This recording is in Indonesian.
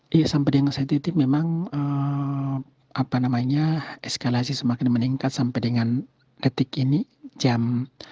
di samping sedikit memang apa namanya eskalasi semakin meningkat sampai dengan detik ini jam